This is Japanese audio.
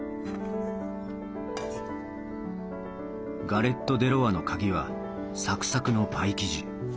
ガレット・デ・ロワの鍵はサクサクのパイ生地。